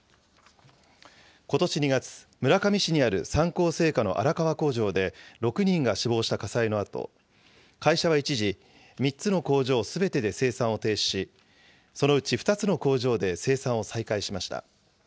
ことし２月、村上市にある三幸製菓の荒川工場で６人が死亡した火災のあと、会社は一時、３つの工場すべてで生産を停止し、そのうち２つの工場で生産を再開しました。